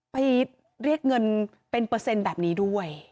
ไปเรียกเงินเป็นเปอร์เซ็นต์แบบนี้ด้วย